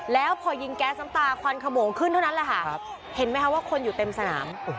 แล้วพอยิงแก๊สน้ำตาควันขโมงขึ้นเท่านั้นแหละค่ะเห็นไหมคะว่าคนอยู่เต็มสนาม